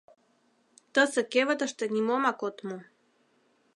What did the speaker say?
Тысе кевытыште нимомак от му.